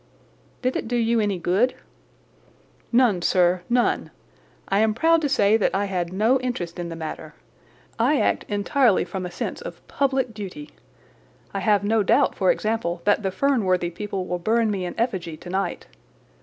"Did it do you any good?" "None, sir, none. I am proud to say that I had no interest in the matter. I act entirely from a sense of public duty. I have no doubt, for example, that the Fernworthy people will burn me in effigy tonight.